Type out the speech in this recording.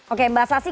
oke mbak sasi